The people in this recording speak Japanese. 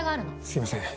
すいません。